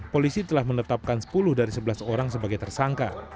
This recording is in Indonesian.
polisi telah menetapkan sepuluh dari sebelas orang sebagai tersangka